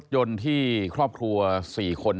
ยนต์ที่ครอบครัว๔คน